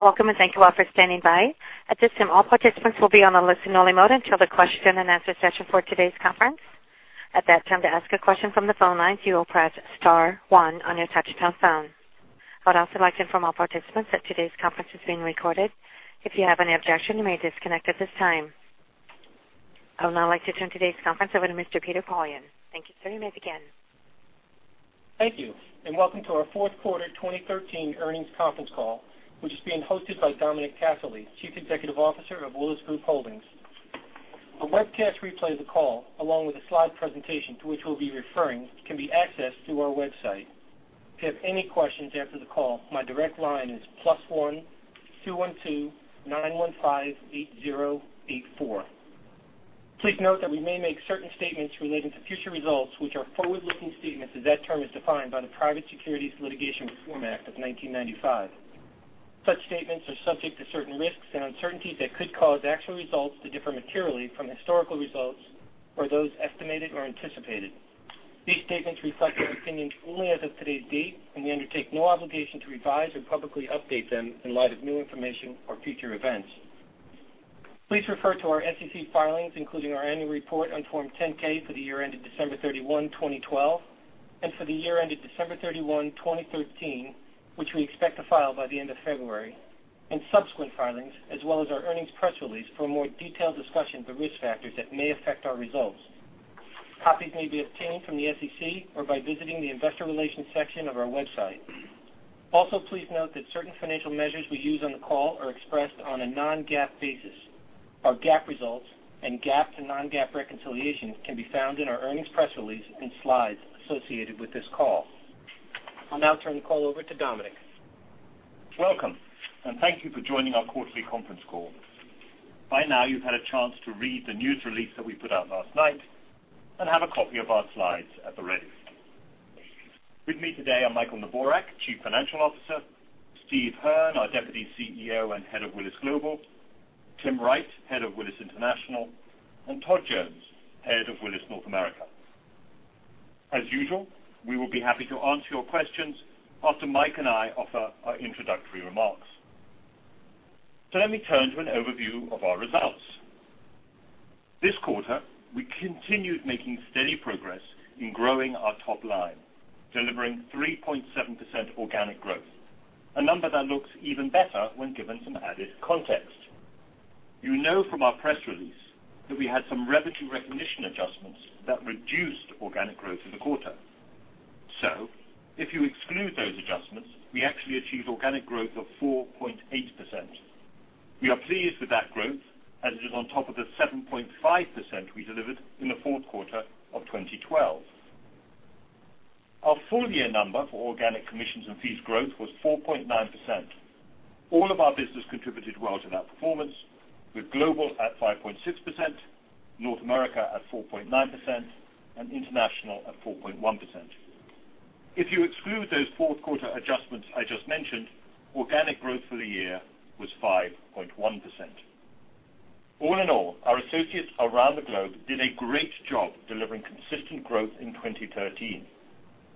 Welcome, thank you all for standing by. At this time, all participants will be on a listen-only mode until the question-and-answer session for today's conference. At that time, to ask a question from the phone lines, you will press star one on your touchtone phone. I'd also like to inform all participants that today's conference is being recorded. If you have any objection, you may disconnect at this time. I would now like to turn today's conference over to Mr. Peter Poillon. Thank you. Sir, you may begin. Thank you, welcome to our fourth quarter 2013 earnings conference call, which is being hosted by Dominic Casserley, Chief Executive Officer of Willis Group Holdings. A webcast replay of the call, along with a slide presentation to which we'll be referring, can be accessed through our website. If you have any questions after the call, my direct line is +1-212-915-8084. Please note that we may make certain statements relating to future results, which are forward-looking statements as that term is defined by the Private Securities Litigation Reform Act of 1995. Such statements are subject to certain risks and uncertainties that could cause actual results to differ materially from historical results or those estimated or anticipated. These statements reflect our opinions only as of today's date, we undertake no obligation to revise or publicly update them in light of new information or future events. Please refer to our SEC filings, including our annual report on Form 10-K for the year ended December 31, 2012, for the year ended December 31, 2013, which we expect to file by the end of February, subsequent filings, as well as our earnings press release, for a more detailed discussion of the risk factors that may affect our results. Copies may be obtained from the SEC or by visiting the investor relations section of our website. Please note that certain financial measures we use on the call are expressed on a non-GAAP basis. Our GAAP results and GAAP to non-GAAP reconciliations can be found in our earnings press release and slides associated with this call. I'll now turn the call over to Dominic. Welcome, thank you for joining our quarterly conference call. By now, you've had a chance to read the news release that we put out last night and have a copy of our slides at the ready. With me today are Michael Noonan, Chief Financial Officer, Steve Hearn, our Deputy CEO and Head of Willis Global, Tim Wright, Head of Willis International, and Todd Jones, Head of Willis North America. As usual, we will be happy to answer your questions after Mike and I offer our introductory remarks. Let me turn to an overview of our results. This quarter, we continued making steady progress in growing our top line, delivering 3.7% organic growth, a number that looks even better when given some added context. You know from our press release that we had some revenue recognition adjustments that reduced organic growth for the quarter. If you exclude those adjustments, we actually achieved organic growth of 4.8%. We are pleased with that growth, as it is on top of the 7.5% we delivered in the fourth quarter of 2012. Our full-year number for organic commissions and fees growth was 4.9%. All of our business contributed well to that performance, with Global at 5.6%, North America at 4.9%, and International at 4.1%. If you exclude those fourth quarter adjustments I just mentioned, organic growth for the year was 5.1%. All in all, our associates around the globe did a great job delivering consistent growth in 2013.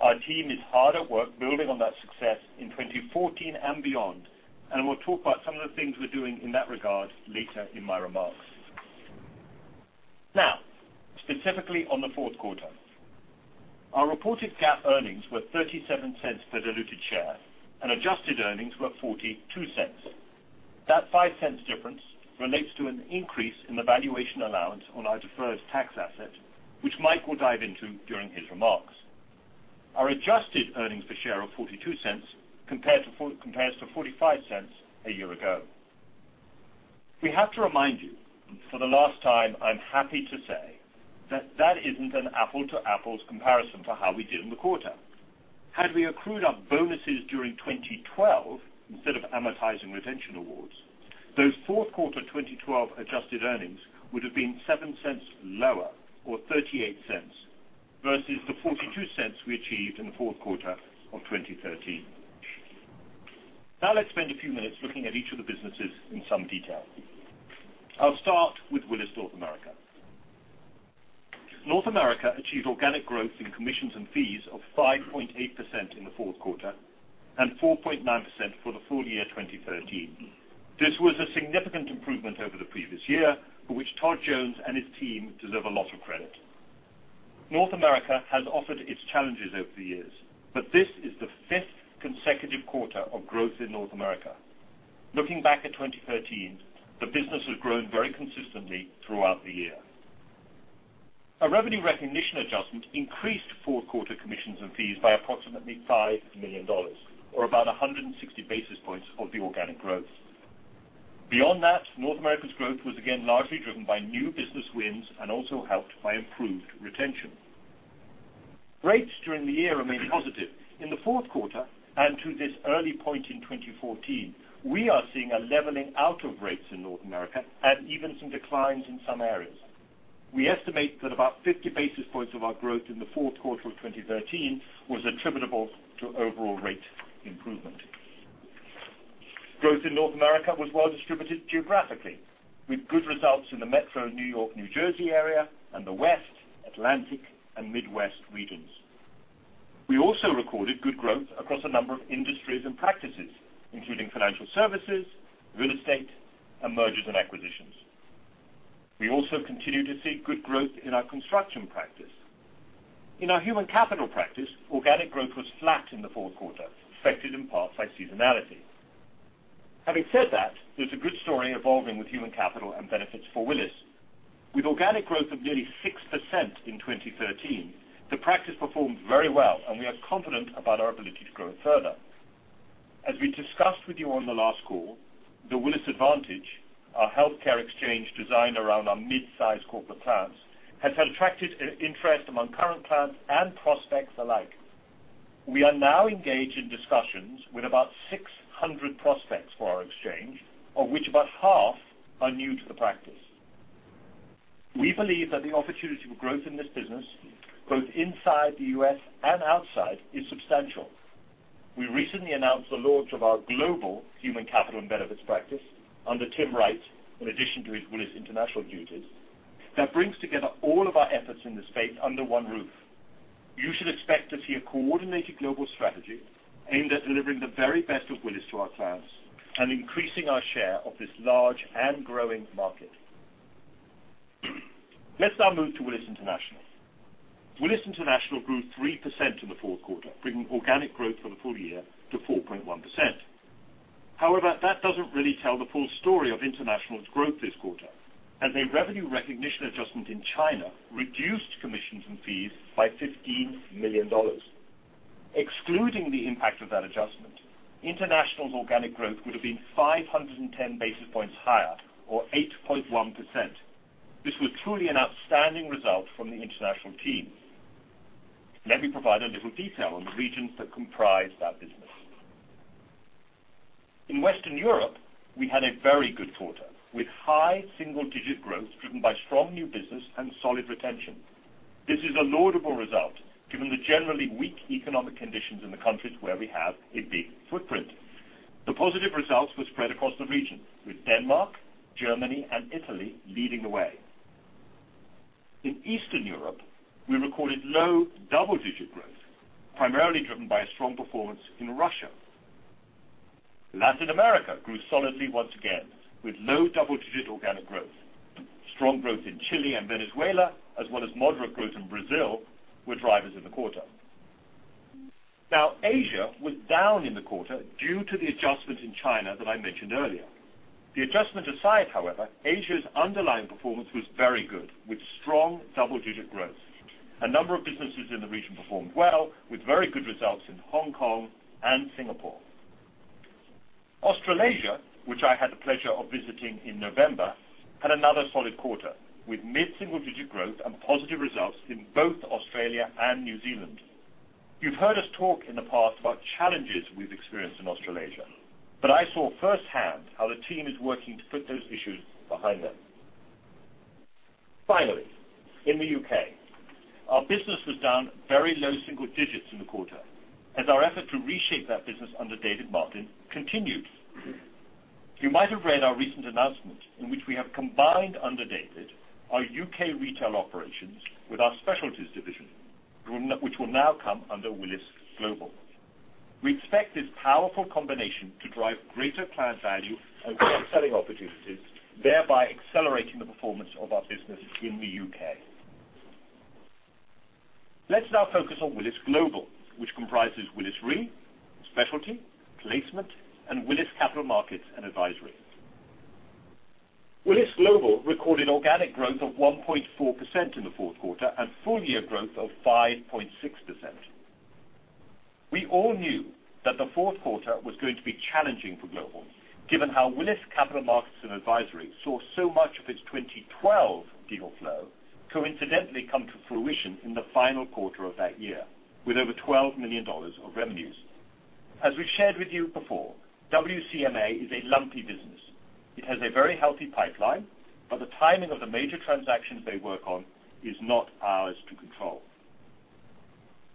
Our team is hard at work building on that success in 2014 and beyond. We'll talk about some of the things we're doing in that regard later in my remarks. Specifically on the fourth quarter. Our reported GAAP earnings were $0.37 per diluted share. Adjusted earnings were $0.42. That $0.05 difference relates to an increase in the valuation allowance on our deferred tax asset, which Mike will dive into during his remarks. Our adjusted earnings per share of $0.42 compares to $0.45 a year ago. We have to remind you, for the last time, I'm happy to say that that isn't an apple-to-apples comparison for how we did in the quarter. Had we accrued our bonuses during 2012 instead of amortizing retention awards, those fourth quarter 2012 adjusted earnings would have been $0.07 lower, or $0.38, versus the $0.42 we achieved in the fourth quarter of 2013. Let's spend a few minutes looking at each of the businesses in some detail. I'll start with Willis North America. North America achieved organic growth in commissions and fees of 5.8% in the fourth quarter and 4.9% for the full year 2013. This was a significant improvement over the previous year, for which Todd Jones and his team deserve a lot of credit. North America has offered its challenges over the years, but this is the fifth consecutive quarter of growth in North America. Looking back at 2013, the business has grown very consistently throughout the year. A revenue recognition adjustment increased fourth quarter commissions and fees by approximately $5 million, or about 160 basis points of the organic growth. Beyond that, North America's growth was again largely driven by new business wins and also helped by improved retention. Rates during the year remained positive. In the fourth quarter, to this early point in 2014, we are seeing a leveling out of rates in North America and even some declines in some areas. We estimate that about 50 basis points of our growth in the fourth quarter of 2013 was attributable to overall rate improvement. Growth in North America was well distributed geographically, with good results in the Metro New York, New Jersey area and the West, Atlantic, and Midwest regions. We also recorded good growth across a number of industries and practices, including financial services, real estate, and mergers and acquisitions. We also continue to see good growth in our construction practice. In our human capital practice, organic growth was flat in the fourth quarter, affected in part by seasonality. Having said that, there's a good story evolving with human capital and benefits for Willis. With organic growth of nearly 6% in 2013, the practice performed very well, and we are confident about our ability to grow it further. As we discussed with you on the last call, the Willis Advantage, our healthcare exchange designed around our mid-size corporate plans, has attracted interest among current clients and prospects alike. We are now engaged in discussions with about 600 prospects for our exchange, of which about half are new to the practice. We believe that the opportunity for growth in this business, both inside the U.S. and outside, is substantial. We recently announced the launch of our global human capital and benefits practice under Tim Wright, in addition to his Willis International duties, that brings together all of our efforts in this space under one roof. You should expect to see a coordinated global strategy aimed at delivering the very best of Willis to our clients and increasing our share of this large and growing market. Let's now move to Willis International. Willis International grew 3% in the fourth quarter, bringing organic growth for the full year to 4.1%. However, that doesn't really tell the full story of International's growth this quarter, as a revenue recognition adjustment in China reduced commissions and fees by $15 million. Excluding the impact of that adjustment, International's organic growth would have been 510 basis points higher, or 8.1%. This was truly an outstanding result from the international team. Let me provide a little detail on the regions that comprise that business. In Western Europe, we had a very good quarter, with high single-digit growth driven by strong new business and solid retention. This is a laudable result given the generally weak economic conditions in the countries where we have a big footprint. The positive results were spread across the region, with Denmark, Germany, and Italy leading the way. In Eastern Europe, we recorded low double-digit growth, primarily driven by a strong performance in Russia. Latin America grew solidly once again, with low double-digit organic growth. Strong growth in Chile and Venezuela, as well as moderate growth in Brazil, were drivers in the quarter. Now, Asia was down in the quarter due to the adjustment in China that I mentioned earlier. The adjustment aside, however, Asia's underlying performance was very good, with strong double-digit growth. A number of businesses in the region performed well, with very good results in Hong Kong and Singapore. Australasia, which I had the pleasure of visiting in November, had another solid quarter, with mid-single-digit growth and positive results in both Australia and New Zealand. You've heard us talk in the past about challenges we've experienced in Australasia, but I saw firsthand how the team is working to put those issues behind them. Finally, in the U.K., our business was down very low single digits in the quarter as our effort to reshape that business under David Martin continues. You might have read our recent announcement in which we have combined under David our U.K. retail operations with our specialties division, which will now come under Willis Global. We expect this powerful combination to drive greater client value and cross-selling opportunities, thereby accelerating the performance of our business in the U.K. Let's now focus on Willis Global, which comprises Willis Re, Specialty, Placement, and Willis Capital Markets & Advisory. Willis Global recorded organic growth of 1.4% in the fourth quarter and full-year growth of 5.6%. We all knew that the fourth quarter was going to be challenging for Global, given how Willis Capital Markets & Advisory saw so much of its 2012 deal flow coincidentally come to fruition in the final quarter of that year with over $12 million of revenues. As we shared with you before, WCMA is a lumpy business. It has a very healthy pipeline, but the timing of the major transactions they work on is not ours to control.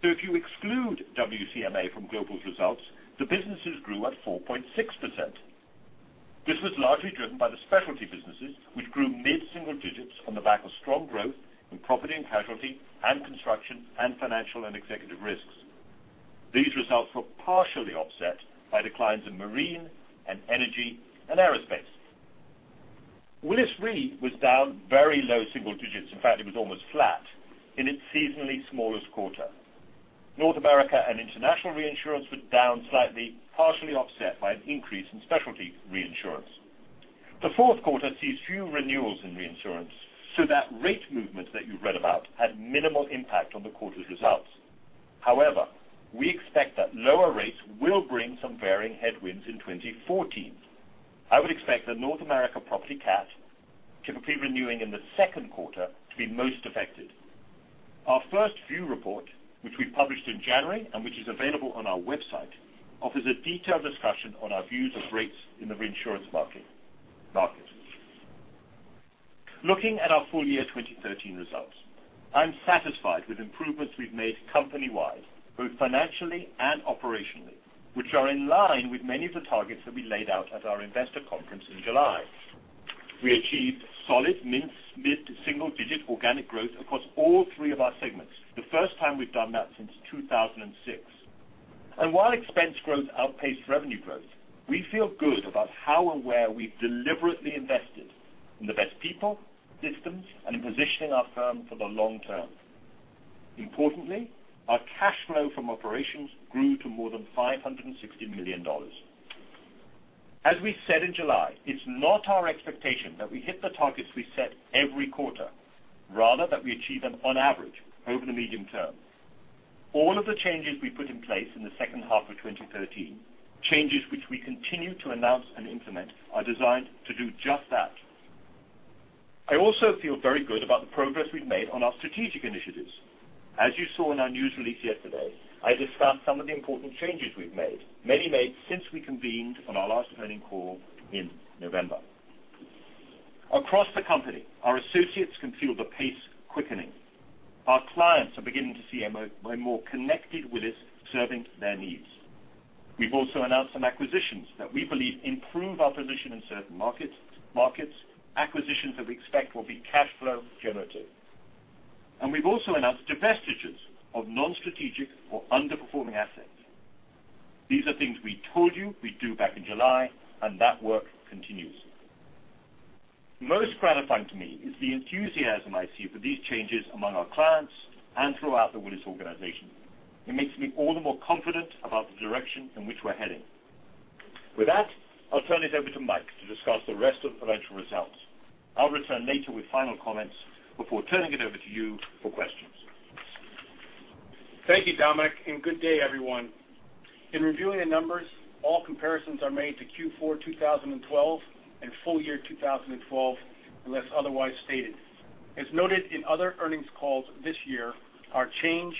If you exclude WCMA from Global's results, the businesses grew at 4.6%. This was largely driven by the specialty businesses, which grew mid-single digits on the back of strong growth in property and casualty and construction and financial and executive risks. These results were partially offset by declines in marine and energy and aerospace. Willis Re was down very low single digits. It was almost flat in its seasonally smallest quarter. North America and International reinsurance were down slightly, partially offset by an increase in specialty reinsurance. The fourth quarter sees few renewals in reinsurance, so that rate movement that you read about had minimal impact on the quarter's results. We expect that lower rates will bring some varying headwinds in 2014. I would expect that North America property cat, typically renewing in the second quarter, to be most affected. Our 1st View report, which we published in January and which is available on our website, offers a detailed discussion on our views of rates in the reinsurance market. Looking at our full-year 2013 results, I'm satisfied with improvements we've made company-wide, both financially and operationally, which are in line with many of the targets that we laid out at our investor conference in July. We achieved solid mid-single digit organic growth across all three of our segments. The first time we've done that since 2006. While expense growth outpaced revenue growth, we feel good about how and where we've deliberately invested in the best people, systems, and in positioning our firm for the long term. Importantly, our cash flow from operations grew to more than $560 million. As we said in July, it's not our expectation that we hit the targets we set every quarter, rather that we achieve them on average over the medium term. All of the changes we put in place in the second half of 2013, changes which we continue to announce and implement, are designed to do just that. I also feel very good about the progress we've made on our strategic initiatives. As you saw in our news release yesterday, I discussed some of the important changes we've made, many made since we convened on our last earning call in November. Across the company, our associates can feel the pace quickening. Our clients are beginning to see a more Connected Willis serving their needs. We've also announced some acquisitions that we believe improve our position in certain markets, acquisitions that we expect will be cash flow generative. We've also announced divestitures of non-strategic or underperforming assets. These are things we told you we'd do back in July, and that work continues. Most gratifying to me is the enthusiasm I see for these changes among our clients and throughout the Willis organization. It makes me all the more confident about the direction in which we're heading. With that, I'll turn it over to Mike to discuss the rest of financial results. I'll return later with final comments before turning it over to you for questions. Thank you, Dominic, good day, everyone. In reviewing the numbers, all comparisons are made to Q4 2012 and full year 2012, unless otherwise stated. As noted in other earnings calls this year, our change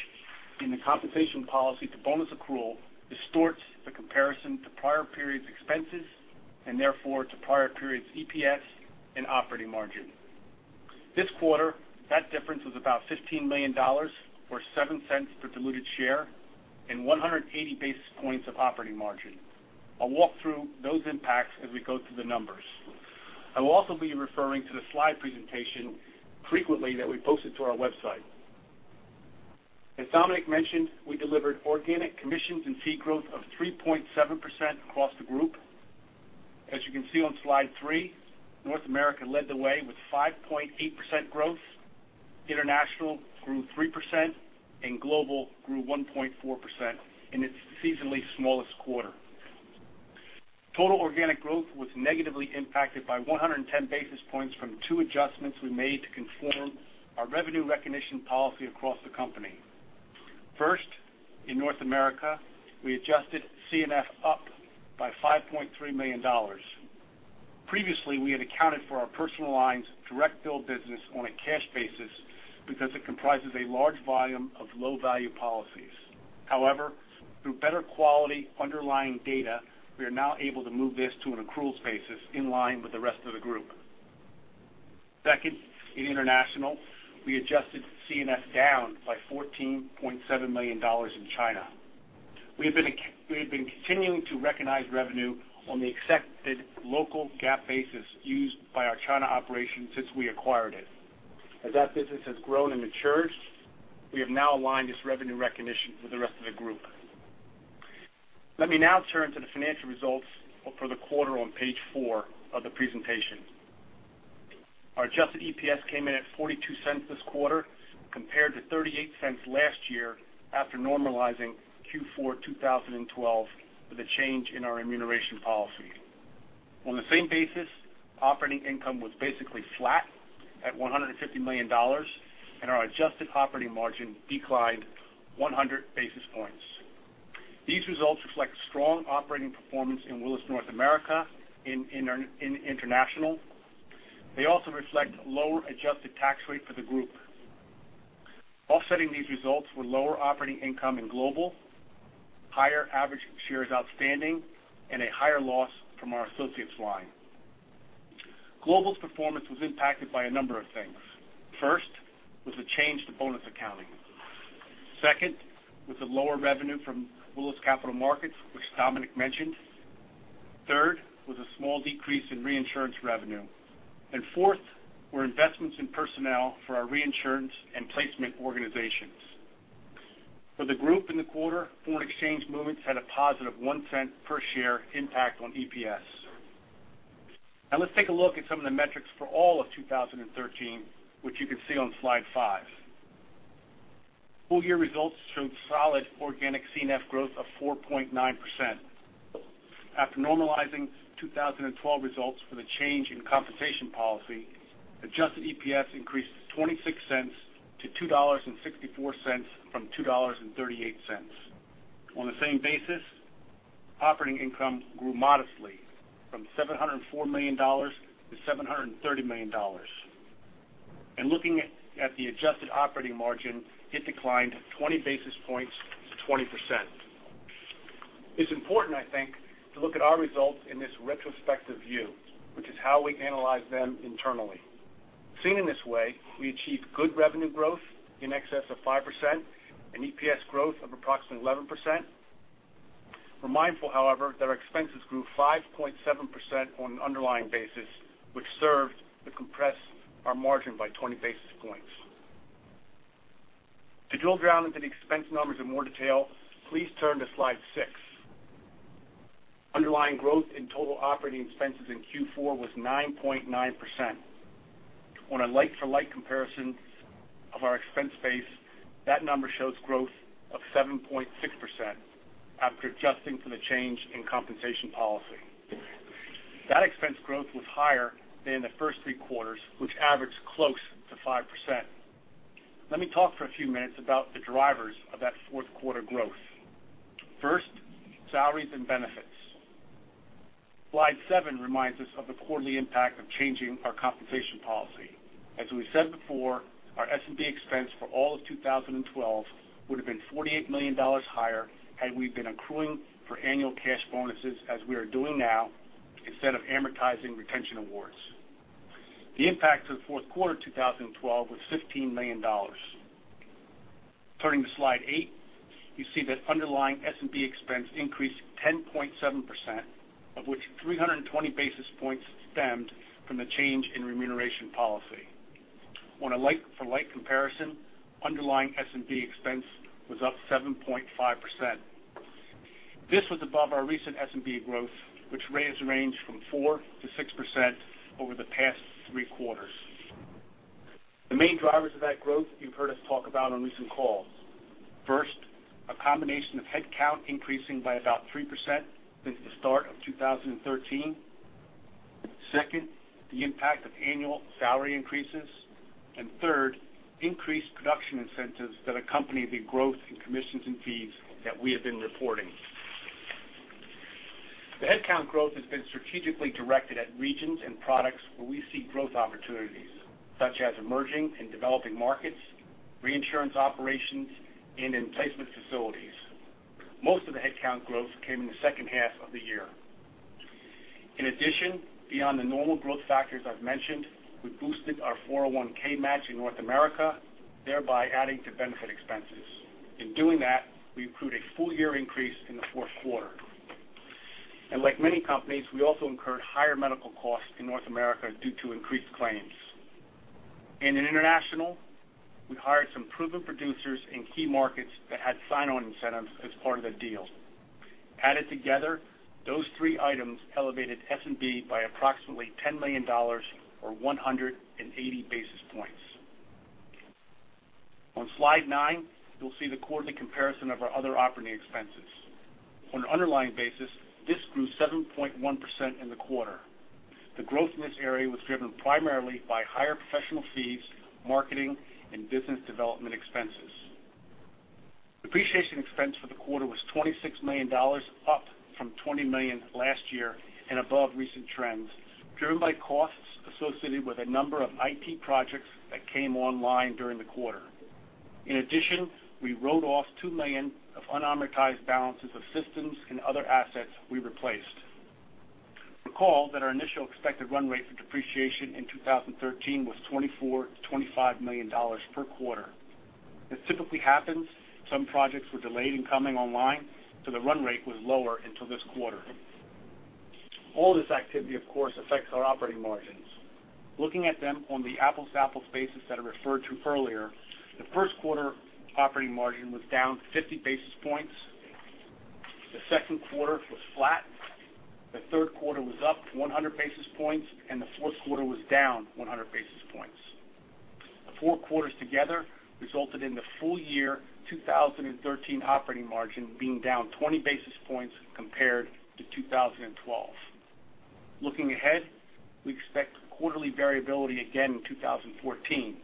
in the compensation policy to bonus accrual distorts the comparison to prior periods' expenses, and therefore to prior periods' EPS and operating margin. This quarter, that difference was about $15 million, or $0.07 per diluted share and 180 basis points of operating margin. I'll walk through those impacts as we go through the numbers. I will also be referring to the slide presentation frequently that we posted to our website. As Dominic mentioned, we delivered organic commissions and fee growth of 3.7% across the group. As you can see on slide three, North America led the way with 5.8% growth, International grew 3%, and Global grew 1.4% in its seasonally smallest quarter. Total organic growth was negatively impacted by 110 basis points from two adjustments we made to conform our revenue recognition policy across the company. First, in North America, we adjusted C&F up by $5.3 million. Previously, we had accounted for our personal lines direct bill business on a cash basis because it comprises a large volume of low-value policies. However, through better quality underlying data, we are now able to move this to an accruals basis in line with the rest of the group. Second, in International, we adjusted C&F down by $14.7 million in China. We have been continuing to recognize revenue on the accepted local GAAP basis used by our China operation since we acquired it. As that business has grown and matured, we have now aligned this revenue recognition with the rest of the group. Let me now turn to the financial results for the quarter on page four of the presentation. Our adjusted EPS came in at $0.42 this quarter, compared to $0.38 last year after normalizing Q4 2012 with a change in our remuneration policy. On the same basis, operating income was basically flat at $150 million, our adjusted operating margin declined 100 basis points. These results reflect strong operating performance in Willis North America and International. They also reflect lower adjusted tax rate for the group. Offsetting these results were lower operating income in Global, higher average shares outstanding, a higher loss from our associates line. Global's performance was impacted by a number of things. First was a change to bonus accounting. Second was the lower revenue from Willis Capital Markets, which Dominic mentioned. Third was a small decrease in reinsurance revenue. Fourth were investments in personnel for our reinsurance and placement organizations. For the group in the quarter, foreign exchange movements had a positive $0.01 per share impact on EPS. Let's take a look at some of the metrics for all of 2013, which you can see on slide five. Full year results showed solid organic C&F growth of 4.9%. After normalizing 2012 results for the change in compensation policy, adjusted EPS increased $0.26 to $2.64 from $2.38. On the same basis, operating income grew modestly from $704 million to $730 million. Looking at the adjusted operating margin, it declined 20 basis points to 20%. It's important, I think, to look at our results in this retrospective view, which is how we analyze them internally. Seen in this way, we achieved good revenue growth in excess of 5% and EPS growth of approximately 11%. We're mindful, however, that our expenses grew 5.7% on an underlying basis, which served to compress our margin by 20 basis points. To drill down into the expense numbers in more detail, please turn to slide six. Underlying growth in total operating expenses in Q4 was 9.9%. On a like-for-like comparison of our expense base, that number shows growth of 7.6% after adjusting for the change in compensation policy. That expense growth was higher than the first three quarters, which averaged close to 5%. Let me talk for a few minutes about the drivers of that fourth quarter growth. First, salaries and benefits. Slide seven reminds us of the quarterly impact of changing our compensation policy. As we said before, our S&B expense for all of 2012 would have been $48 million higher had we been accruing for annual cash bonuses as we are doing now, instead of amortizing retention awards. The impact to the fourth quarter 2012 was $15 million. Turning to slide eight, you see that underlying S&B expense increased 10.7%, of which 320 basis points stemmed from the change in remuneration policy. On a like-for-like comparison, underlying S&B expense was up 7.5%. This was above our recent S&B growth, which has ranged from 4%-6% over the past three quarters. The main drivers of that growth you've heard us talk about on recent calls. First, a combination of headcount increasing by about 3% since the start of 2013. Second, the impact of annual salary increases. Third, increased production incentives that accompany the growth in commissions and fees that we have been reporting. The headcount growth has been strategically directed at regions and products where we see growth opportunities, such as emerging and developing markets, reinsurance operations, and in placement facilities. Most of the headcount growth came in the second half of the year. In addition, beyond the normal growth factors I've mentioned, we boosted our 401(k) match in North America, thereby adding to benefit expenses. In doing that, we accrued a full year increase in the fourth quarter. Like many companies, we also incurred higher medical costs in North America due to increased claims. In International, we hired some proven producers in key markets that had sign-on incentives as part of the deal. Added together, those three items elevated S&B by approximately $10 million or 180 basis points. On slide nine, you will see the quarterly comparison of our other operating expenses. On an underlying basis, this grew 7.1% in the quarter. The growth in this area was driven primarily by higher professional fees, marketing, and business development expenses. Depreciation expense for the quarter was $26 million, up from $20 million last year and above recent trends, driven by costs associated with a number of IT projects that came online during the quarter. In addition, we wrote off $2 million of unamortized balances of systems and other assets we replaced. Recall that our initial expected run rate for depreciation in 2013 was $24 million to $25 million per quarter. This typically happens. Some projects were delayed in coming online, so the run rate was lower until this quarter. All this activity, of course, affects our operating margins. Looking at them on the apples-to-apples basis that I referred to earlier, the first quarter operating margin was down 50 basis points. The second quarter was flat, the third quarter was up 100 basis points, and the fourth quarter was down 100 basis points. The four quarters together resulted in the full year 2013 operating margin being down 20 basis points compared to 2012. Looking ahead, we expect quarterly variability again in 2014.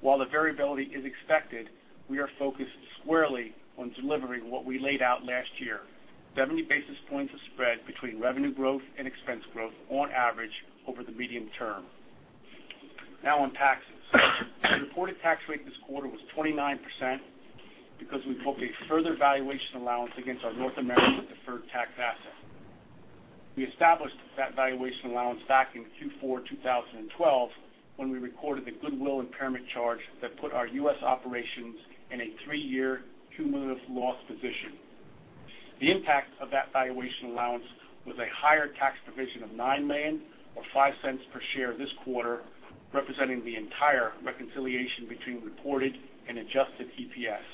While the variability is expected, we are focused squarely on delivering what we laid out last year, 70 basis points of spread between revenue growth and expense growth on average over the medium term. On taxes. The reported tax rate this quarter was 29% because we took a further valuation allowance against our North American deferred tax asset. We established that valuation allowance back in Q4 2012 when we recorded the goodwill impairment charge that put our U.S. operations in a three-year cumulative loss position. The impact of that valuation allowance was a higher tax provision of $9 million or $0.05 per share this quarter, representing the entire reconciliation between reported and adjusted EPS.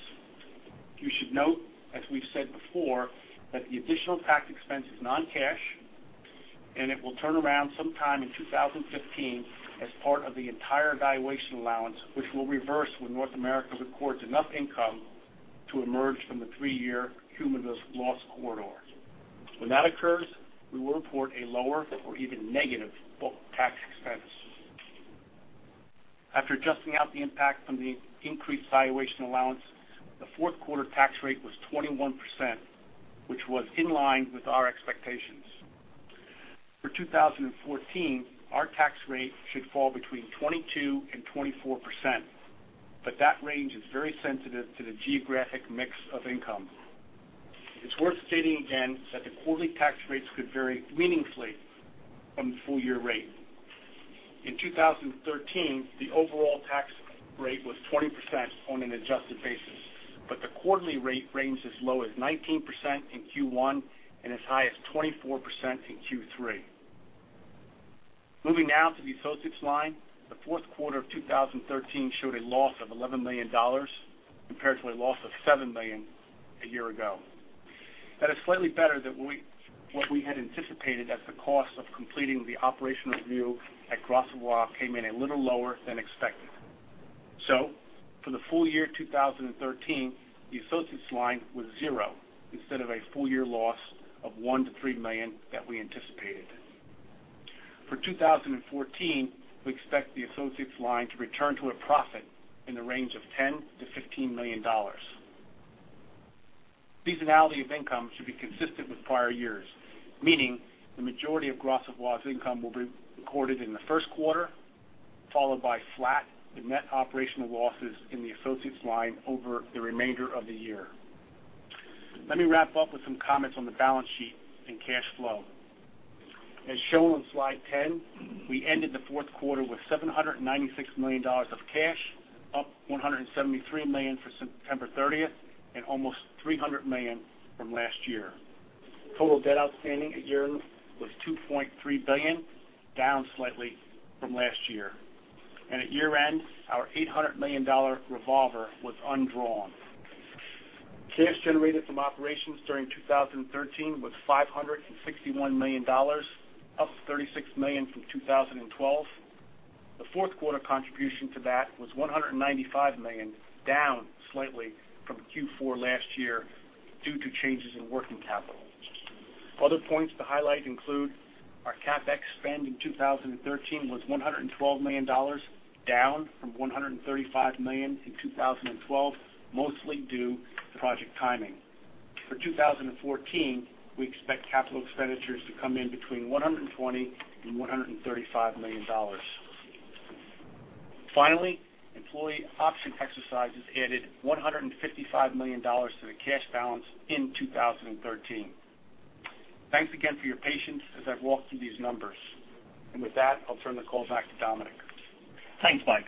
You should note, as we have said before, that the additional tax expense is non-cash, and it will turn around sometime in 2015 as part of the entire valuation allowance, which will reverse when Willis North America records enough income to emerge from the three-year cumulative loss corridor. When that occurs, we will report a lower or even negative book tax expense. After adjusting out the impact from the increased valuation allowance, the fourth quarter tax rate was 21%, which was in line with our expectations. For 2014, our tax rate should fall between 22% and 24%, but that range is very sensitive to the geographic mix of income. It is worth stating again that the quarterly tax rates could vary meaningfully from the full-year rate. In 2013, the overall tax rate was 20% on an adjusted basis, but the quarterly rate ranged as low as 19% in Q1 and as high as 24% in Q3. Moving now to the associates line. The fourth quarter of 2013 showed a loss of $11 million, compared to a loss of $7 million a year ago. That is slightly better than what we had anticipated as the cost of completing the operational review at Gras Savoye came in a little lower than expected. For the full year 2013, the associates line was zero instead of a full year loss of $1 million-$3 million that we anticipated. For 2014, we expect the associates line to return to a profit in the range of $10 million to $15 million. Seasonality of income should be consistent with prior years, meaning the majority of Gras Savoye income will be recorded in the first quarter, followed by flat to net operational losses in the associates line over the remainder of the year. Let me wrap up with some comments on the balance sheet and cash flow. As shown on slide 10, we ended the fourth quarter with $796 million of cash, up $173 million from September 30th and almost $300 million from last year. Total debt outstanding at year-end was $2.3 billion, down slightly from last year. At year-end, our $800 million revolver was undrawn. Cash generated from operations during 2013 was $561 million, up $36 million from 2012. The fourth quarter contribution to that was $195 million, down slightly from Q4 last year due to changes in working capital. Other points to highlight include our CapEx spend in 2013 was $112 million, down from $135 million in 2012, mostly due to project timing. For 2014, we expect capital expenditures to come in between $120 million and $135 million. Finally, employee option exercises added $155 million to the cash balance in 2013. Thanks again for your patience as I've walked through these numbers. With that, I'll turn the call back to Dominic. Thanks, Mike.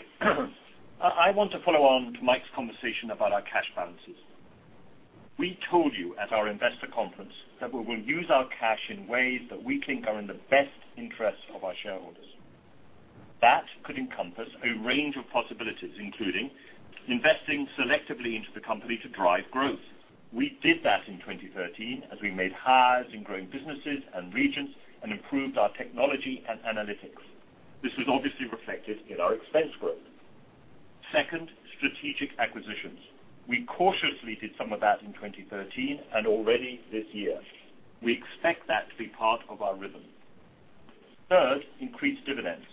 I want to follow on to Mike's conversation about our cash balances. We told you at our investor conference that we will use our cash in ways that we think are in the best interest of our shareholders. That could encompass a range of possibilities, including investing selectively into the company to drive growth. We did that in 2013 as we made hires in growing businesses and regions and improved our technology and analytics. This was obviously reflected in our expense growth. Second, strategic acquisitions. We cautiously did some of that in 2013 and already this year. We expect that to be part of our rhythm. Third, increased dividends.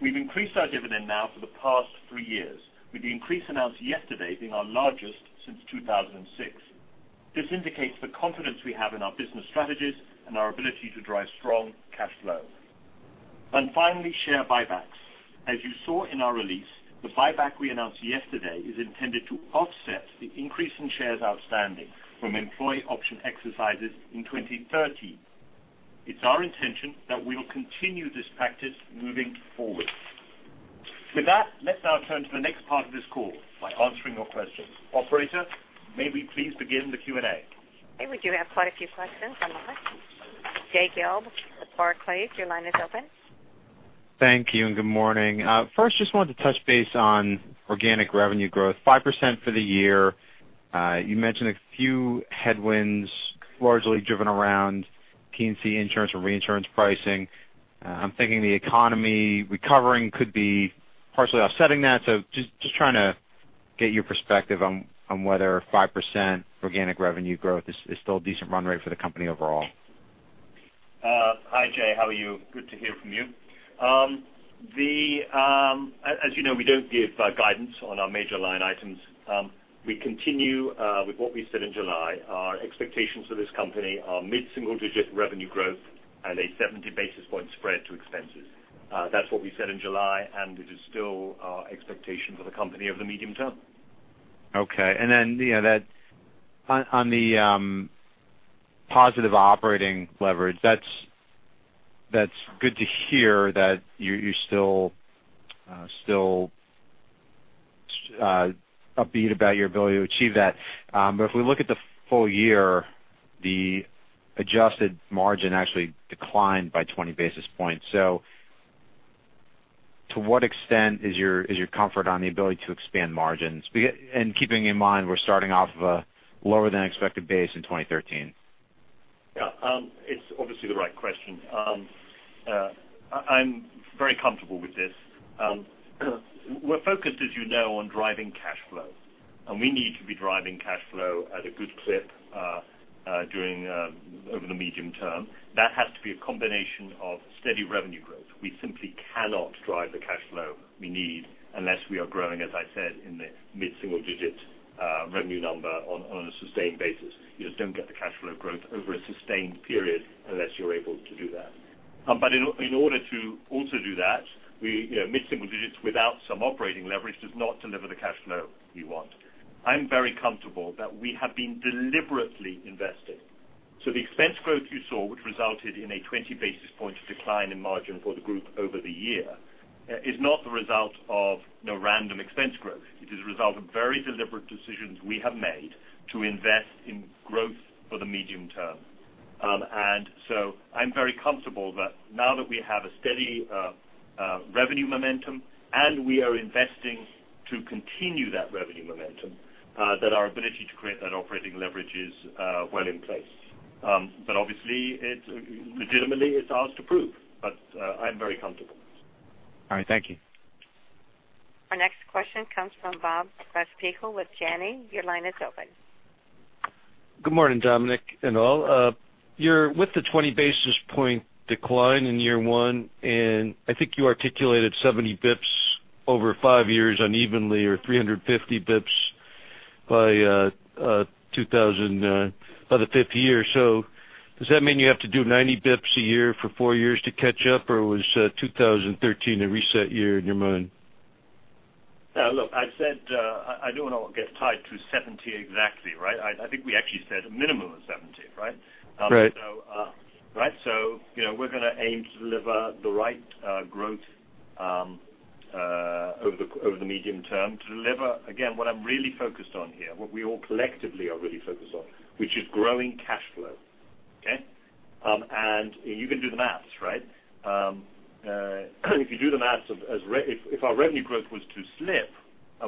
We've increased our dividend now for the past three years, with the increase announced yesterday being our largest since 2006. This indicates the confidence we have in our business strategies and our ability to drive strong cash flow. Finally, share buybacks. As you saw in our release, the buyback we announced yesterday is intended to offset the increase in shares outstanding from employee option exercises in 2013. It's our intention that we will continue this practice moving forward. With that, let's now turn to the next part of this call by answering your questions. Operator, may we please begin the Q&A? Okay. We do have quite a few questions online. Jay Gelb with Barclays, your line is open. Thank you and good morning. First, just wanted to touch base on organic revenue growth, 5% for the year. You mentioned a few headwinds largely driven around P&C insurance and reinsurance pricing. I'm thinking the economy recovering could be partially offsetting that. Just trying to get your perspective on whether 5% organic revenue growth is still a decent run rate for the company overall. Hi, Jay. How are you? Good to hear from you. As you know, we don't give guidance on our major line items. We continue with what we said in July. Our expectations for this company are mid-single digit revenue growth and a 70 basis point spread to expenses. That's what we said in July, it is still our expectation for the company over the medium term. Okay. On the positive operating leverage, that's good to hear that you're still upbeat about your ability to achieve that. If we look at the full year, the adjusted margin actually declined by 20 basis points. To what extent is your comfort on the ability to expand margins? Keeping in mind we're starting off of a lower than expected base in 2013. Yeah. It's obviously the right question. I'm very comfortable with this. We're focused, as you know, on driving cash flow, and we need to be driving cash flow at a good clip over the medium term. That has to be a combination of steady revenue growth. We simply cannot drive the cash flow we need unless we are growing, as I said, in the mid-single digit revenue number on a sustained basis. You just don't get the cash flow growth over a sustained period unless you're able to do that. But in order to also do that, mid-single digits without some operating leverage does not deliver the cash flow we want. I'm very comfortable that we have been deliberately investing. The expense growth you saw, which resulted in a 20 basis point decline in margin for the group over the year, is not the result of random expense growth. It is a result of very deliberate decisions we have made to invest in growth for the medium term. I'm very comfortable that now that we have a steady revenue momentum, and we are investing to continue that revenue momentum, that our ability to create that operating leverage is well in place. Obviously, legitimately, it's ours to prove. I'm very comfortable. All right. Thank you. Our next question comes from Bob Glasspiegel with Janney. Your line is open. Good morning, Dominic and all. With the 20 basis points decline in year one, I think you articulated 70 basis points over five years unevenly or 350 basis points by the fifth year. Does that mean you have to do 90 basis points a year for four years to catch up, or was 2013 a reset year in your mind? Look, I said I don't want to get tied to 70 exactly, right? I think we actually said a minimum of 70, right? Right. We're going to aim to deliver the right growth over the medium term to deliver. Again, what I'm really focused on here, what we all collectively are really focused on, which is growing cash flow. Okay? You can do the math, right? If you do the math, if our revenue growth was to slip,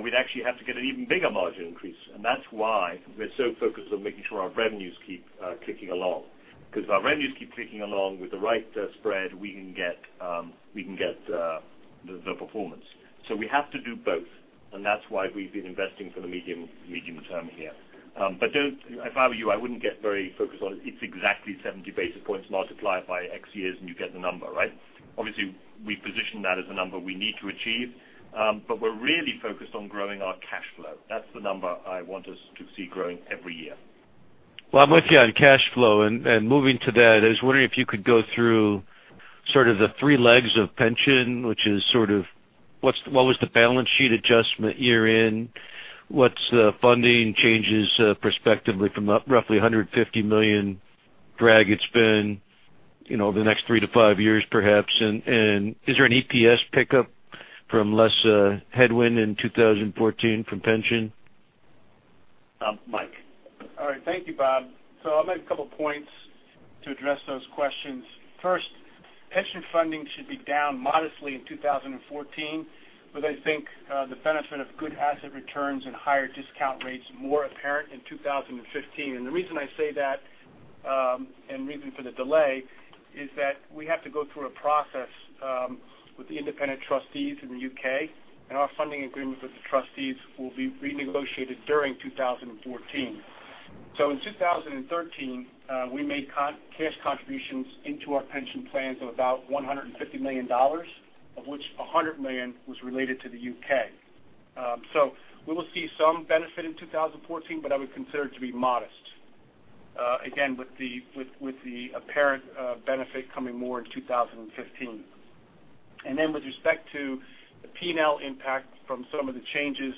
we'd actually have to get an even bigger margin increase. That's why we're so focused on making sure our revenues keep clicking along. If our revenues keep clicking along with the right spread, we can get the performance. We have to do both, and that's why we've been investing for the medium term here. If I were you, I wouldn't get very focused on it's exactly 70 basis points multiplied by X years, and you get the number, right? Obviously, we position that as a number we need to achieve. We're really focused on growing our cash flow. That's the number I want us to see growing every year. Well, I'm with you on cash flow. Moving to that, I was wondering if you could go through sort of the three legs of pension, what was the balance sheet adjustment year in, what's the funding changes prospectively from roughly $150 million drag it's been over the next three to five years, perhaps, and is there an EPS pickup from less headwind in 2014 from pension? Mike. All right. Thank you, Bob. I'll make a couple of points to address those questions. First, pension funding should be down modestly in 2014, but I think the benefit of good asset returns and higher discount rates more apparent in 2015. The reason I say that, and reason for the delay, is that we have to go through a process with the independent trustees in the U.K., and our funding agreement with the trustees will be renegotiated during 2014. In 2013, we made cash contributions into our pension plans of about $150 million, of which $100 million was related to the U.K. We will see some benefit in 2014, but I would consider it to be modest. Again, with the apparent benefit coming more in 2015. With respect to the P&L impact from some of the changes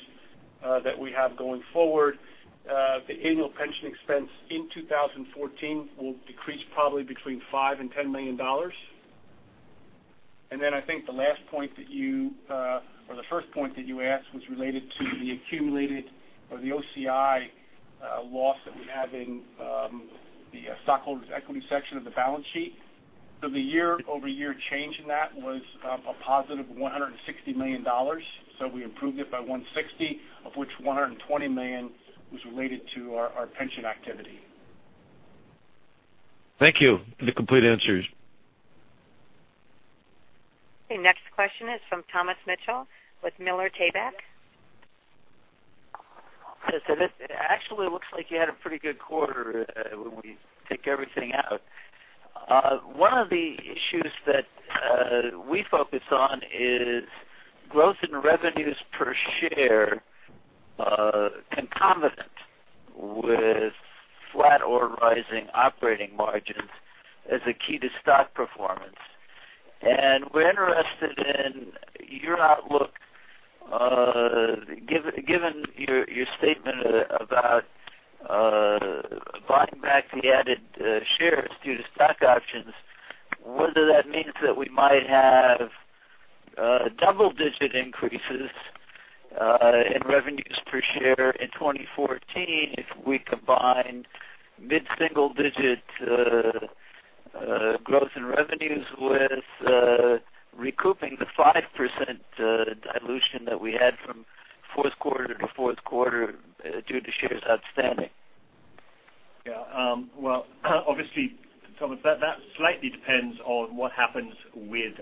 that we have going forward, the annual pension expense in 2014 will decrease probably between $5 million and $10 million. I think the first point that you asked was related to the accumulated or the OCI loss that we have in the stockholders' equity section of the balance sheet. The year-over-year change in that was a positive $160 million. We improved it by $160 million, of which $120 million was related to our pension activity. Thank you for the complete answers. Okay. Next question is from Thomas Mitchell with Miller Tabak. This actually looks like you had a pretty good quarter when we take everything out. One of the issues that we focus on is growth in revenues per share concomitant with flat or rising operating margins as a key to stock performance. We're interested in your outlook, given your statement about buying back the added shares due to stock options, whether that means that we might have double-digit increases in revenues per share in 2014 if we combine mid-single-digit growth in revenues with recouping the 5% dilution that we had from fourth quarter to fourth quarter due to shares outstanding. Yeah. Well, obviously, Thomas, that slightly depends on what happens with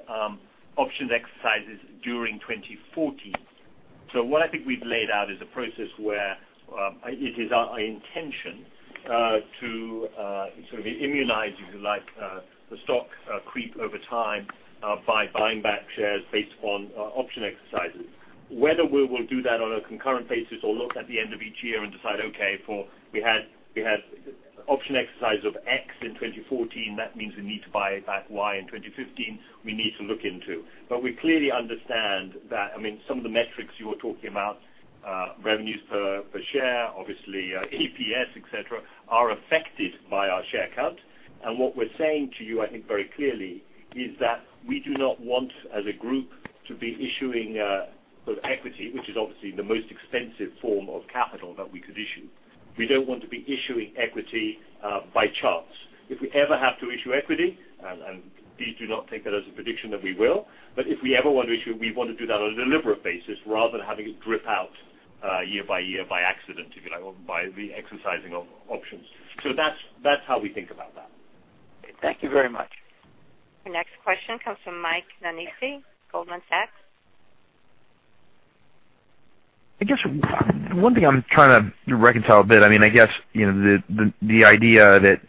options exercises during 2014. What I think we've laid out is a process where it is our intention to sort of immunize, if you like, the stock creep over time by buying back shares based on option exercises. Whether we will do that on a concurrent basis or look at the end of each year and decide, okay, we had option exercise of X in 2014, that means we need to buy back Y in 2015, we need to look into. We clearly understand that some of the metrics you were talking about, revenues per share, obviously, EPS, et cetera, are affected by our share count. What we're saying to you, I think very clearly, is that we do not want as a group to be issuing equity, which is obviously the most expensive form of capital that we could issue. We don't want to be issuing equity by chance. If we ever have to issue equity, and please do not take that as a prediction that we will, but if we ever want to issue, we want to do that on a deliberate basis rather than having it drip out year-by-year by accident, if you like, or by the exercising of options. That's how we think about that. Thank you very much. The next question comes from Michael Nannizzi, Goldman Sachs. I guess one thing I'm trying to reconcile a bit, I guess, the idea that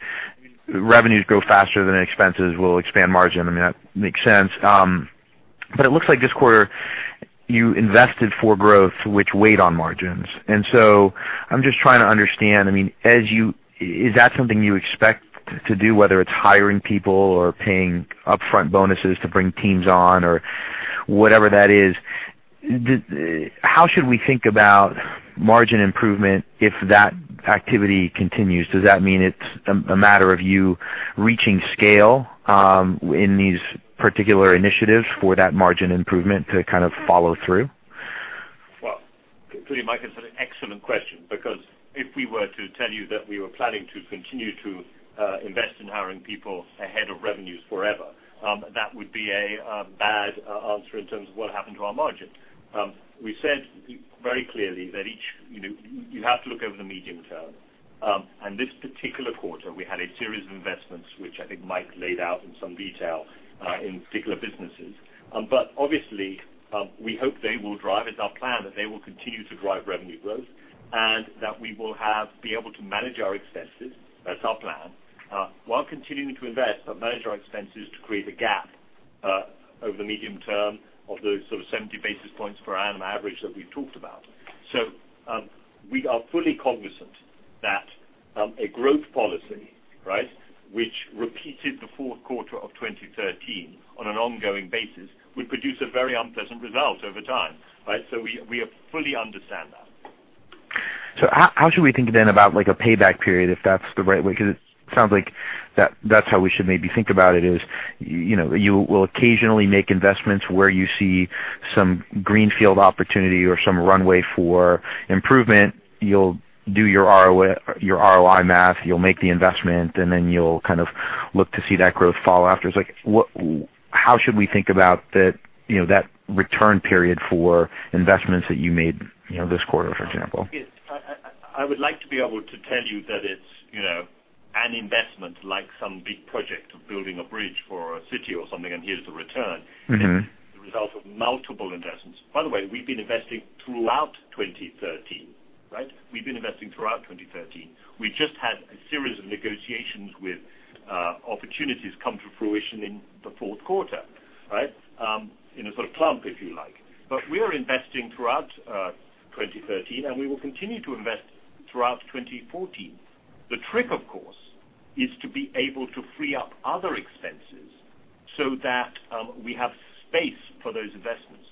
revenues grow faster than expenses will expand margin. I mean, that makes sense. It looks like this quarter you invested for growth, which weighed on margins. I'm just trying to understand, is that something you expect to do, whether it's hiring people or paying upfront bonuses to bring teams on or whatever that is. How should we think about margin improvement if that activity continues? Does that mean it's a matter of you reaching scale in these particular initiatives for that margin improvement to kind of follow through? Well, Mike, it's an excellent question because if we were to tell you that we were planning to continue to invest in hiring people ahead of revenues forever, that would be a bad answer in terms of what happened to our margin. We said very clearly that you have to look over the medium term. This particular quarter, we had a series of investments, which I think Mike laid out in some detail, in particular businesses. Obviously, we hope they will drive, it's our plan, that they will continue to drive revenue growth and that we will be able to manage our expenses. That's our plan. While continuing to invest, but manage our expenses to create a gap over the medium term of those 70 basis points per annum average that we've talked about. We are fully cognizant that a growth policy which repeated the fourth quarter of 2013 on an ongoing basis would produce a very unpleasant result over time, right? We fully understand that. How should we think then about a payback period, if that's the right way? Because it sounds like that's how we should maybe think about it is, you will occasionally make investments where you see some greenfield opportunity or some runway for improvement. You'll do your ROI math, you'll make the investment, and then you'll kind of look to see that growth follow after. How should we think about that return period for investments that you made this quarter, for example? I would like to be able to tell you that it's an investment like some big project of building a bridge for a city or something, and here's the return. It is the result of multiple investments. By the way, we've been investing throughout 2013, right? We've been investing throughout 2013. We just had a series of negotiations with opportunities come to fruition in the fourth quarter, in a sort of clump, if you like. We are investing throughout 2013, and we will continue to invest throughout 2014. The trick, of course, is to be able to free up other expenses so that we have space for those investments.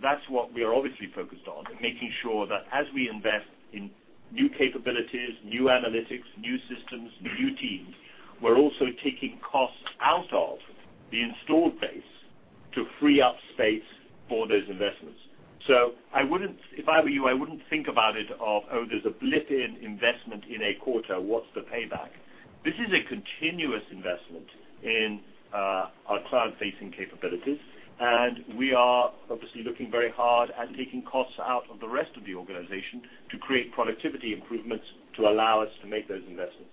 That's what we are obviously focused on, making sure that as we invest in new capabilities, new analytics, new systems, new teams, we're also taking costs out of the installed base to free up space for those investments. If I were you, I wouldn't think about it of, oh, there's a blip in investment in a quarter. What's the payback? This is a continuous investment in our client-facing capabilities. We are obviously looking very hard at taking costs out of the rest of the organization to create productivity improvements to allow us to make those investments.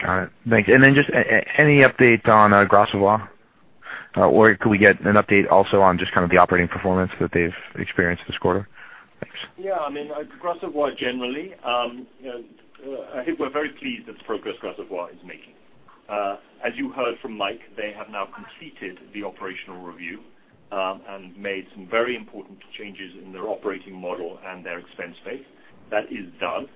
Got it. Thanks. Just any update on Gras Savoye? Could we get an update also on just kind of the operating performance that they've experienced this quarter? Thanks. Yeah. Gras Savoye generally, I think we're very pleased with the progress Gras Savoye is making. As you heard from Mike, they have now completed the operational review, made some very important changes in their operating model and their expense base. That is done.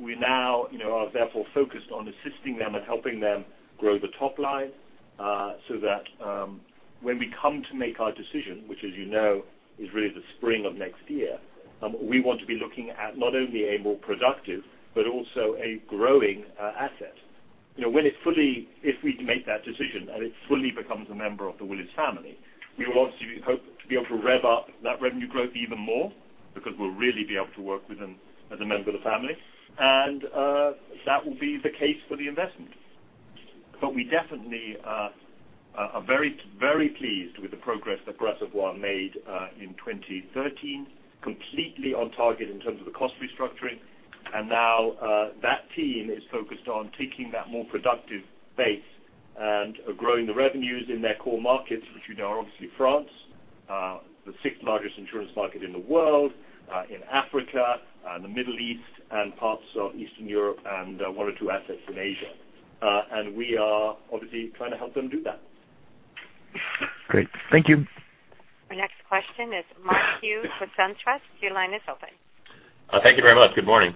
We now are therefore focused on assisting them and helping them grow the top line, so that when we come to make our decision, which as you know, is really the spring of next year, we want to be looking at not only a more productive, but also a growing asset. If we make that decision and it fully becomes a member of the Willis family, we will obviously hope to be able to rev up that revenue growth even more because we'll really be able to work with them as a member of the family. That will be the case for the investment. We definitely are very pleased with the progress that Gras Savoye made in 2013, completely on target in terms of the cost restructuring. Now that team is focused on taking that more productive base and growing the revenues in their core markets, which we know are obviously France, the sixth largest insurance market in the world, in Africa, the Middle East, parts of Eastern Europe, and one or two assets in Asia. We are obviously trying to help them do that. Great. Thank you. Our next question is Mark Hughes with SunTrust. Your line is open. Thank you very much. Good morning.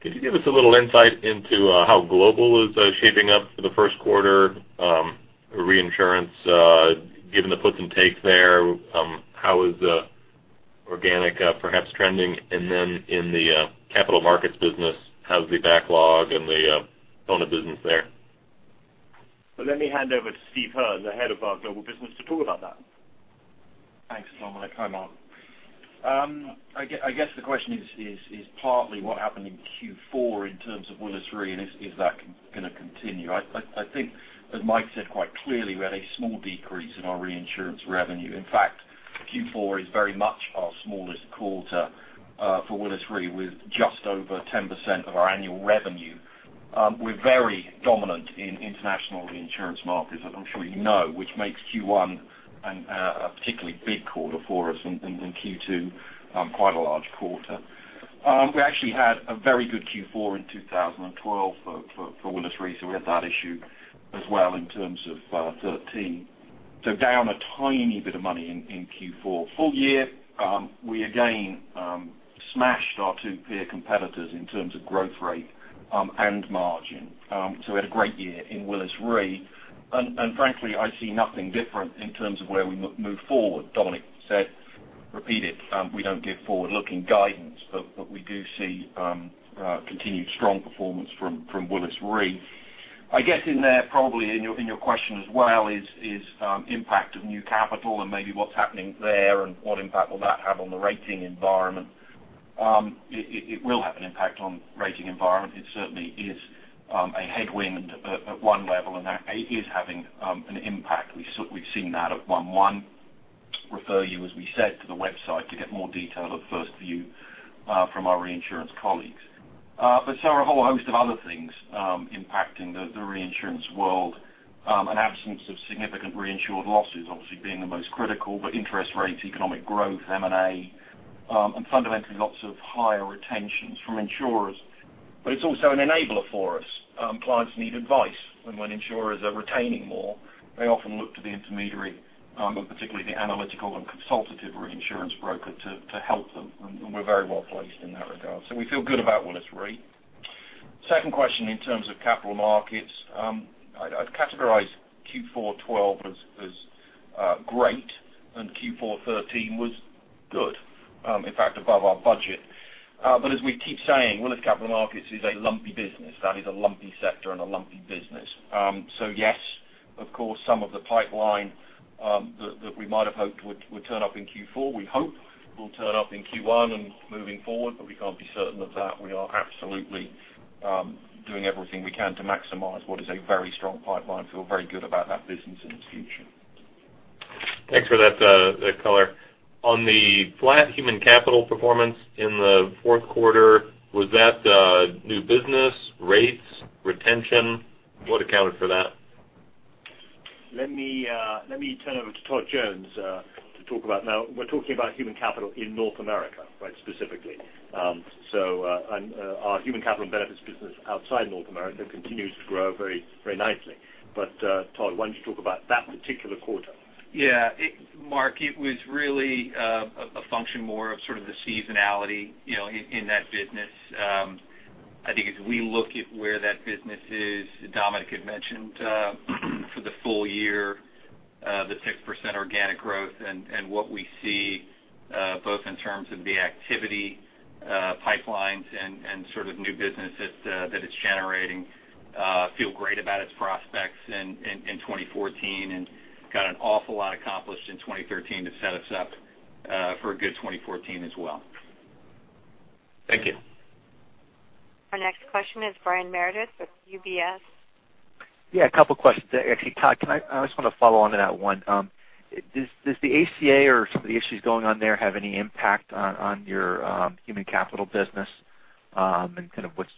Could you give us a little insight into how Global is shaping up for the first quarter reinsurance, given the puts and takes there, how is organic perhaps trending? Then in the capital markets business, how's the backlog and the [Advisory business] there? Let me hand over to Steve Hearn, the Head of our Global business, to talk about that. Thanks, Dominic. Hi, Mark. I guess the question is partly what happened in Q4 in terms of Willis Re, and is that going to continue? I think, as Mike said, quite clearly, we had a small decrease in our reinsurance revenue. In fact, Q4 is very much our smallest quarter for Willis Re, with just over 10% of our annual revenue. We're very dominant in international reinsurance markets, as I'm sure you know, which makes Q1 a particularly big quarter for us, and Q2 quite a large quarter. We actually had a very good Q4 in 2012 for Willis Re, so we had that issue as well in terms of 2013. Down a tiny bit of money in Q4. Full year, we again smashed our two peer competitors in terms of growth rate and margin. We had a great year in Willis Re, and frankly, I see nothing different in terms of where we move forward. Dominic said, repeat it, we don't give forward-looking guidance, but we do see continued strong performance from Willis Re. I guess in there probably in your question as well is impact of new capital and maybe what's happening there and what impact will that have on the rating environment. It will have an impact on rating environment. It certainly is a headwind at 1/1. Refer you, as we said, to the website to get more detail at 1st View from our reinsurance colleagues. There are a whole host of other things impacting the reinsurance world. An absence of significant reinsured losses obviously being the most critical, interest rates, economic growth, M&A, and fundamentally lots of higher retentions from insurers. It's also an enabler for us. Clients need advice when insurers are retaining more. They often look to the intermediary, but particularly the analytical and consultative reinsurance broker to help them, and we're very well placed in that regard. We feel good about Willis Re. Second question in terms of capital markets. I'd categorize Q4 2012 as great, and Q4 2013 was good, in fact, above our budget. As we keep saying, Willis Capital Markets is a lumpy business. That is a lumpy sector and a lumpy business. Yes, of course, some of the pipeline that we might have hoped would turn up in Q4, we hope will turn up in Q1 and moving forward, we can't be certain of that. We are absolutely doing everything we can to maximize what is a very strong pipeline. Feel very good about that business in the future. Thanks for that color. On the flat human capital performance in the fourth quarter, was that new business, rates, retention? What accounted for that? Let me turn over to Todd Jones to talk about. We're talking about human capital in Willis North America, right, specifically. Our human capital and benefits business outside Willis North America continues to grow very nicely. Todd, why don't you talk about that particular quarter? Mark, it was really a function more of sort of the seasonality in that business. I think as we look at where that business is, Dominic had mentioned for the full year, the 6% organic growth and what we see both in terms of the activity pipelines and new business that it's generating feel great about its prospects in 2014 and got an awful lot accomplished in 2013 to set us up for a good 2014 as well. Thank you. Our next question is Brian Meredith with UBS. Yeah, a couple questions. Actually, Todd, I just want to follow on to that one. Does the ACA or some of the issues going on there have any impact on your human capital business and kind of what's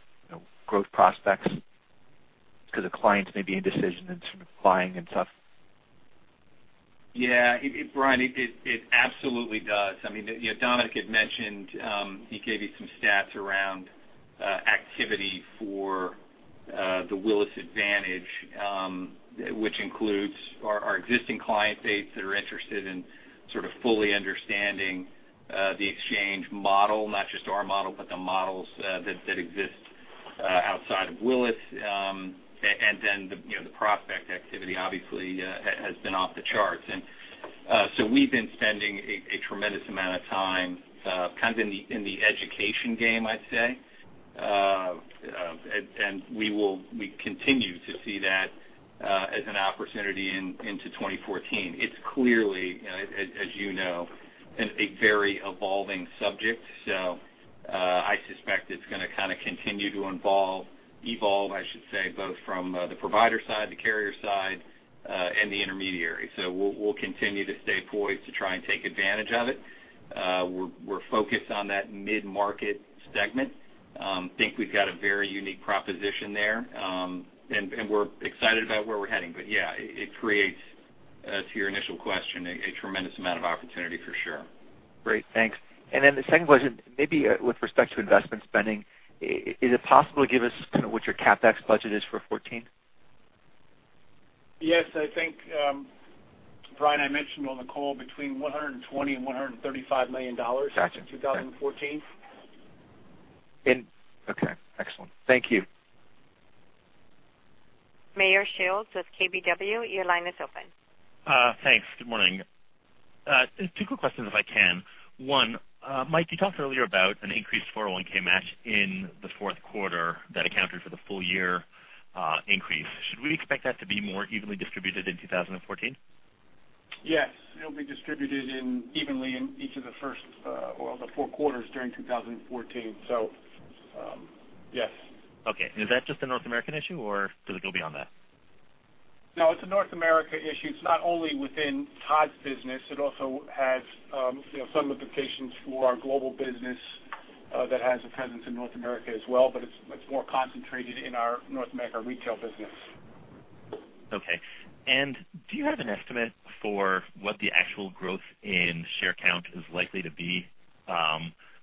growth prospects because the clients may be indecision and sort of buying and stuff? Yeah. Brian, it absolutely does. Dominic had mentioned, he gave you some stats around activity for the Willis Advantage, which includes our existing client base that are interested in sort of fully understanding the exchange model, not just our model, but the models that exist outside of Willis. Then the prospect activity obviously has been off the charts. We've been spending a tremendous amount of time kind of in the education game, I'd say. We continue to see that as an opportunity into 2014. It's clearly, as you know, a very evolving subject. I suspect it's going to kind of continue to evolve, I should say, both from the provider side, the carrier side, and the intermediary. We'll continue to stay poised to try and take advantage of it. We're focused on that mid-market segment. We think we've got a very unique proposition there. We're excited about where we're heading. Yeah, it creates To your initial question, a tremendous amount of opportunity for sure. Great, thanks. The second question, maybe with respect to investment spending, is it possible to give us kind of what your CapEx budget is for 2014? Yes. I think, Brian, I mentioned on the call between $120 million and $135 million. Got you. in 2014. Okay. Excellent. Thank you. Meyer Shields with KBW, your line is open. Thanks. Good morning. Two quick questions if I can. One, Mike, you talked earlier about an increased 401 match in the fourth quarter that accounted for the full year increase. Should we expect that to be more evenly distributed in 2014? Yes. It'll be distributed evenly in each of the first, well, the 4 quarters during 2014. Yes. Okay. Is that just a North American issue or does it go beyond that? No, it's a North America issue. It's not only within Todd's business. It also has some implications for our Global business that has a presence in North America as well, but it's much more concentrated in our North America retail business. Okay. Do you have an estimate for what the actual growth in share count is likely to be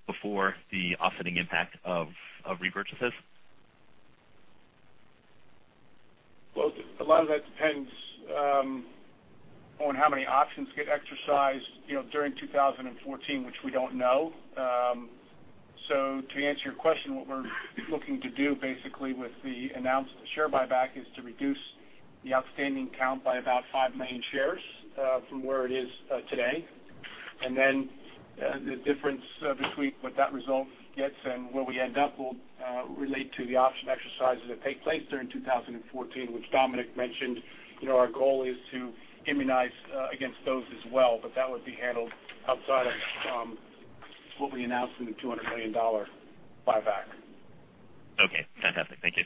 before the offsetting impact of repurchases? A lot of that depends on how many options get exercised during 2014, which we don't know. To answer your question, what we're looking to do basically with the announced share buyback is to reduce the outstanding count by about five million shares from where it is today. The difference between what that result gets and where we end up will relate to the option exercises that take place during 2014, which Dominic mentioned. Our goal is to immunize against those as well, but that would be handled outside of what we announced in the $200 million buyback. Fantastic. Thank you.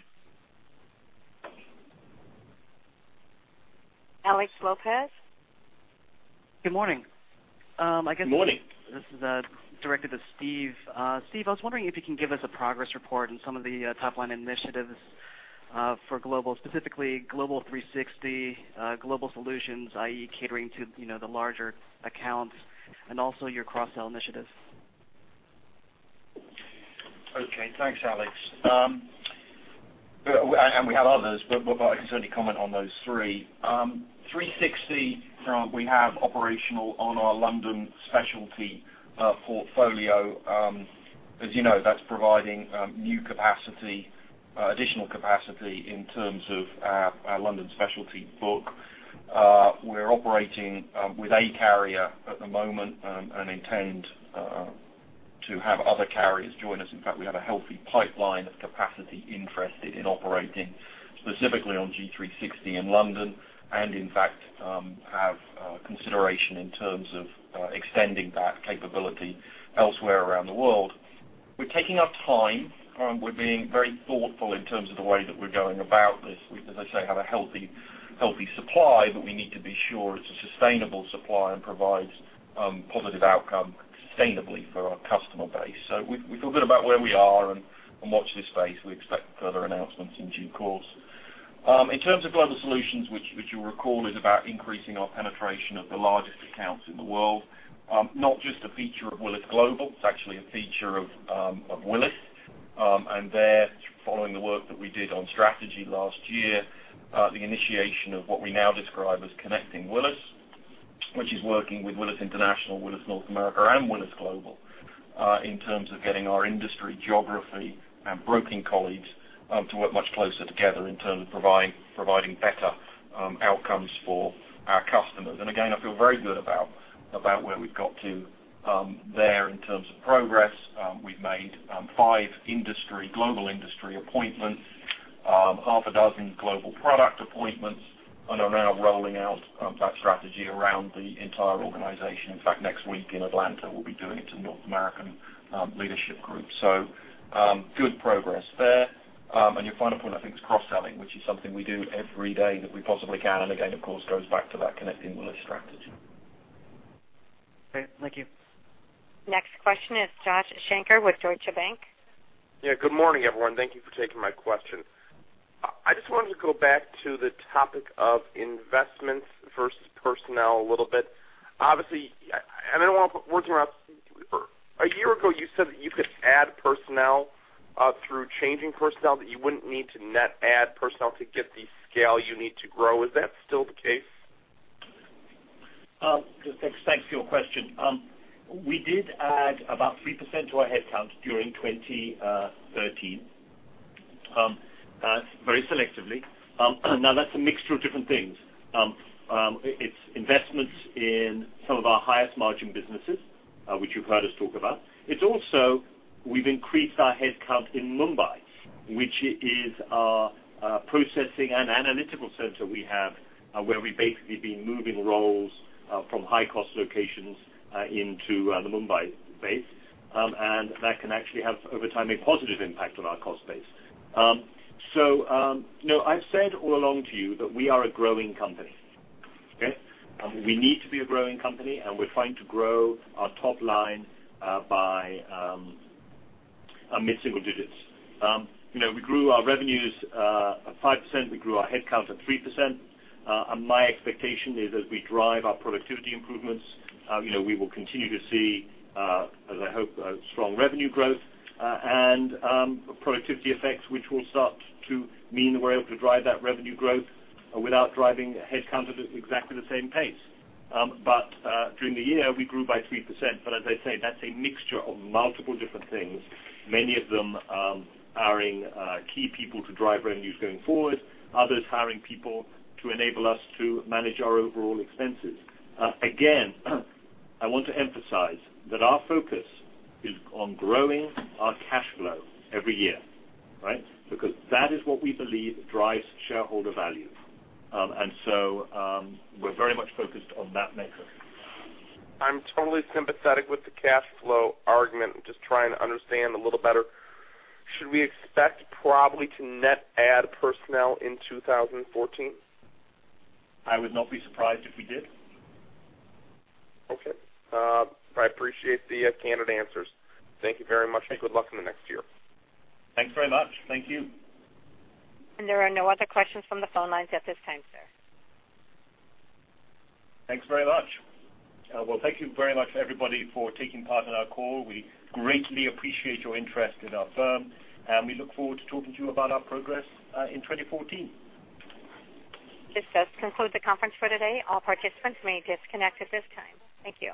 Alex Lopez. Good morning. Good morning. I guess this is directed to Steve. Steve, I was wondering if you can give us a progress report on some of the top-line initiatives for Willis Global, specifically Global 360, Global Solutions, i.e., catering to the larger accounts, and also your cross-sell initiatives. Okay. Thanks, Alex. We have others, but I can certainly comment on those three. 360, we have operational on our London specialty portfolio. As you know, that's providing new capacity, additional capacity in terms of our London specialty book. We're operating with a carrier at the moment and intend to have other carriers join us. In fact, we have a healthy pipeline of capacity interested in operating specifically on G 360 in London. In fact, have consideration in terms of extending that capability elsewhere around the world. We're taking our time. We're being very thoughtful in terms of the way that we're going about this. We, as I say, have a healthy supply, but we need to be sure it's a sustainable supply and provides positive outcome sustainably for our customer base. We feel good about where we are and watch this space. We expect further announcements in due course. In terms of Global Solutions, which you'll recall is about increasing our penetration of the largest accounts in the world, not just a feature of Willis Global, it's actually a feature of Willis, following the work that we did on strategy last year, the initiation of what we now describe as Connecting Willis, which is working with Willis International, Willis North America, and Willis Global in terms of getting our industry geography and broking colleagues to work much closer together in terms of providing better outcomes for our customers. Again, I feel very good about where we've got to there in terms of progress. We've made five global industry appointments, half a dozen global product appointments, and are now rolling out that strategy around the entire organization. In fact, next week in Atlanta, we'll be doing it to North American Leadership Group. Good progress there. Your final point, I think, is cross-selling, which is something we do every day that we possibly can, and again, of course, goes back to that Connecting Willis strategy. Great. Thank you. Next question is Joshua Shanker with Deutsche Bank. Yeah. Good morning, everyone. Thank you for taking my question. I just wanted to go back to the topic of investments versus personnel a little bit. Obviously, I don't want to put words in your mouth. A year ago, you said that you could add personnel through changing personnel, that you wouldn't need to net add personnel to get the scale you need to grow. Is that still the case? Thanks for your question. We did add about 3% to our headcount during 2013 very selectively. That's a mixture of different things. It's investments in some of our highest margin businesses, which you've heard us talk about. It's also, we've increased our headcount in Mumbai, which is our processing and analytical center we have where we've basically been moving roles from high cost locations into the Mumbai base. That can actually have, over time, a positive impact on our cost base. I've said all along to you that we are a growing company. Okay? We need to be a growing company, and we're trying to grow our top line by mid-single digits. We grew our revenues at 5%, we grew our headcount at 3%. My expectation is as we drive our productivity improvements we will continue to see, as I hope, a strong revenue growth and productivity effects, which will start to mean that we're able to drive that revenue growth without driving headcount at exactly the same pace. During the year, we grew by 3%. As I say, that's a mixture of multiple different things. Many of them are key people to drive revenues going forward, others hiring people to enable us to manage our overall expenses. Again, I want to emphasize that our focus is on growing our cash flow every year, right? Because that is what we believe drives shareholder value. We're very much focused on that metric. I'm totally sympathetic with the cash flow argument. I'm just trying to understand a little better. Should we expect probably to net add personnel in 2014? I would not be surprised if we did. Okay. I appreciate the candid answers. Thank you very much and good luck in the next year. Thanks very much. Thank you. There are no other questions from the phone lines at this time, sir. Thanks very much. Well, thank you very much everybody for taking part in our call. We greatly appreciate your interest in our firm, and we look forward to talking to you about our progress in 2014. This does conclude the conference for today. All participants may disconnect at this time. Thank you.